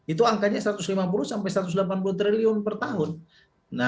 itu angkanya satu ratus lima puluh sampai satu ratus delapan puluh triliun per tahun